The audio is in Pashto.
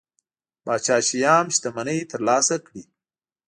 پاچا شیام شتمنۍ ترلاسه کړي.